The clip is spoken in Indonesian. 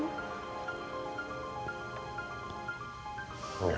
punya keluarga baru